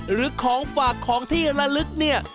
หรือของฝากของที่ระลึกเนี่ย